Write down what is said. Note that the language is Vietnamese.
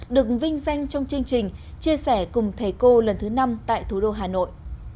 được vinh danh trong chương trình chia sẻ cùng thầy cô lần thứ năm tại thủ đô hà nội